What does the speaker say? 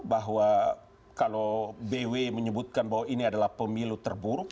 bahwa kalau bw menyebutkan bahwa ini adalah pemilu terburuk